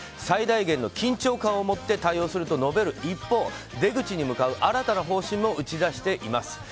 最大限の緊張感を持って対応すると述べる一方出口に向かう新たな方針も打ち出しています。